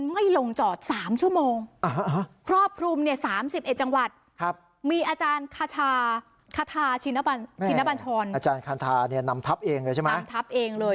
ไม่ลงจอด๓ชั่วโมง